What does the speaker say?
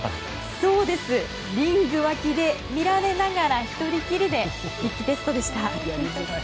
リング脇で見られながら１人きりの筆記テストでした。